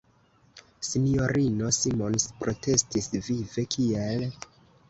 S-ino Simons protestis vive: "Kiel!"